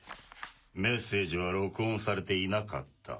メッセージは録音されていなかった。